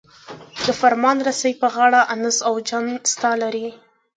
د فرمان رسۍ په غاړه انس او جان ستا لري.